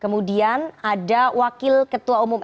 kemudian ada wakil ketua umum